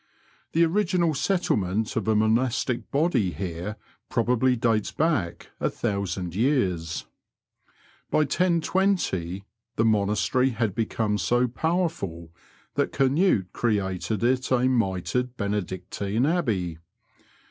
The or^;inal settlement of a monastic body here probably dates back a thousand years. By 1020 the monastery had become so powerful thf^t Canute created it a mitred Benedictine Abbey.